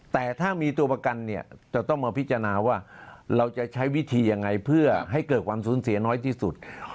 แต่ถ้ามีตัวประกันเนี่ยจะต้องมาพิจารณาว่าเราจะใช้วิธียังไงเพื่อให้เกิดความสูญเสียน้อยที่สุด